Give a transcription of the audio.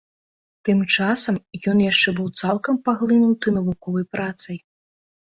Тым часам ён яшчэ быў цалкам паглынуты навуковай працай.